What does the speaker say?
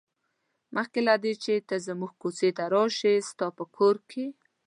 مخکې له دې چې ته زموږ کوڅې ته راشې ستا په کور کې.